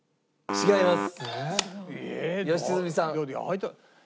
違います。